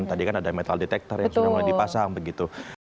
tadi kan ada metal detector yang sudah mulai dipasang begitu